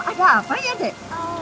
ada apa ya dek